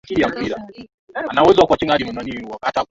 hadithi zinaweza kuwa za kubuni zinazohusu matukio halisi ya mtu